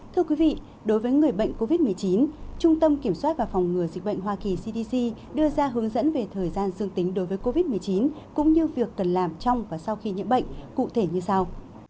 thưa quý vị đối với người bệnh covid một mươi chín trung tâm kiểm soát và phòng ngừa dịch bệnh hoa kỳ cdc đưa ra hướng dẫn về thời gian dương tính đối với covid một mươi chín cũng như việc cần làm trong và sau khi nhiễm bệnh cụ thể như sau